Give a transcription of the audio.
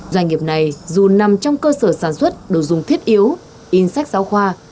doanh nghiệp này dù nằm trong cơ sở sản xuất đồ dùng thiết yếu in sách giáo khoa